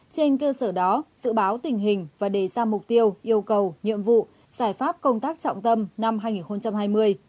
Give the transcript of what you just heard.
trên cơ sở đó dự báo tình hình và đề ra mục tiêu yêu cầu nhiệm vụ giải pháp công tác trọng tâm năm hai nghìn hai mươi